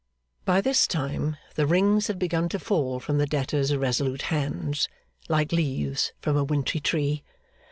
By this time, the rings had begun to fall from the debtor's irresolute hands, like leaves from a wintry tree.